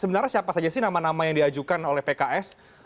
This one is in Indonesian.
sebenarnya siapa saja sih nama nama yang diajukan oleh pks